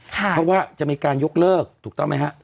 เพราะว่าจะมีการยกเลิกถูกต้องไหมฮะ